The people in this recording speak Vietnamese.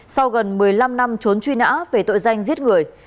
sau gần một mươi năm năm trốn truy nã về tội danh giết người